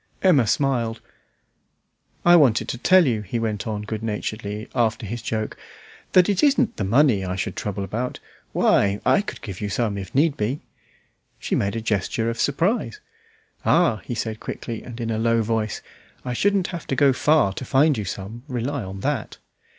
Emma smiled. "I wanted to tell you," he went on good naturedly, after his joke, "that it isn't the money I should trouble about. Why, I could give you some, if need be." She made a gesture of surprise. "Ah!" said he quickly and in a low voice, "I shouldn't have to go far to find you some, rely on that."